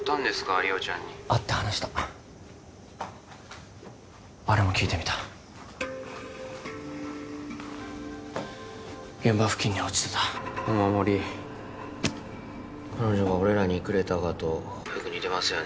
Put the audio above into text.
梨央ちゃんに会って話したあれも聞いてみた現場付近に落ちてたお守り彼女が俺らにくれたがとよく似てますよね